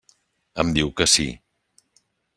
Em diu que sí.